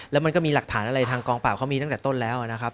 แล้วมันก็มีหลักฐานอะไรทางกองปราบเขามีตั้งแต่ต้นแล้วนะครับ